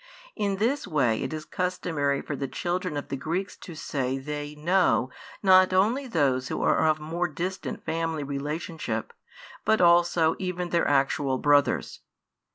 In this way it is customary for the children of the Greeks to say they "know" not only those who are of more distant family relationship, but also, even their actual brothers.